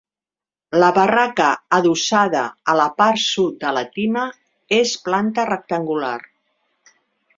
La barraca, adossada a la part sud de la tina és planta rectangular.